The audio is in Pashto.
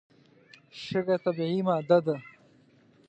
شګه طبیعي ماده ده.